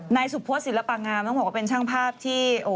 นายสุพศศิลปะงามต้องบอกว่าเป็นช่างภาพที่